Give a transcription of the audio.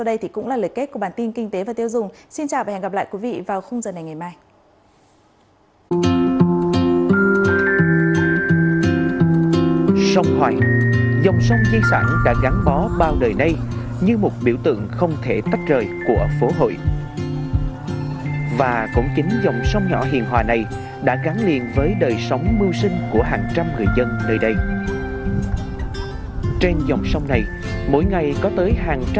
đây là lời kết của bản tin kinh tế và tiêu dùng xin chào và hẹn gặp lại quý vị vào khung giờ này ngày mai